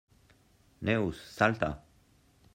Neus, salta!